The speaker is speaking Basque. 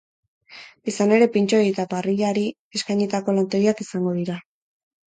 Izan ere, pintxoei eta parrillari eskainitako lantegiak izango dira.